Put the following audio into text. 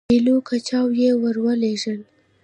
پیلو کجاوه یې ورولېږله.